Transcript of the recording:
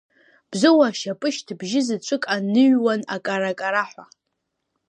Бзоу ашьапы шьҭыбжьы заҵәык аныҩуан акара-караҳәа.